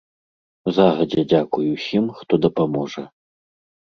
Загадзя дзякуй усім, хто дапаможа.